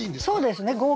そうですね。